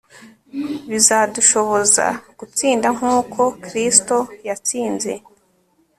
bizadushoboza gutsinda nkuko Kristo yatsinze